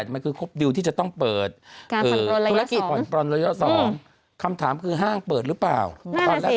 มันคือครบดีลที่จะต้องเปิดการปรนละยะ๒คำถามคือห้างเปิดหรือเปล่า